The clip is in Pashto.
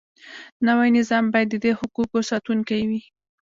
نوی نظام باید د دې حقوقو ساتونکی وي.